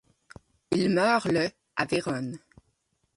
Il meurt le à Vérone.